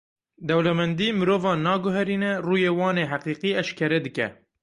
Dewlemendî mirovan naguherîne, rûyê wan ê heqîqî eşkere dike.